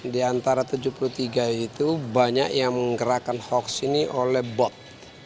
di antara tujuh puluh tiga itu banyak yang menggerakkan hoax ini oleh bot